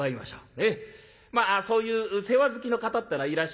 まあそういう世話好きの方ってのはいらっしゃいます。